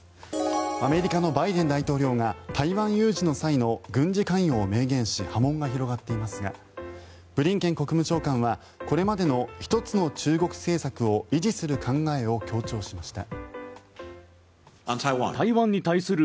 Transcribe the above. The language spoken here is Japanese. アメリカのバイデン大統領が台湾有事の際の軍事関与を明言し波紋が広がっていますがブリンケン国務長官はこれまでの一つの中国政策を維持する考えを強調しました。